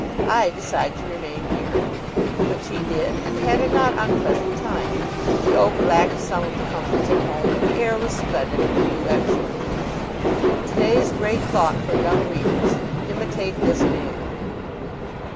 I decide to remain here." Which he did, and had a not unpleasant time. The oak lacked some of the comforts of home, but the air was splendid and the view excellent. To day's Great Thought for Young Readers. Imitate this man.